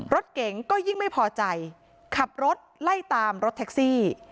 รถเก๋งก็ยิ่งไม่พอใจขับรถไล่ตามรถแท็กซี่